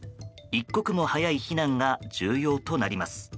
一刻も早い避難が重要となります。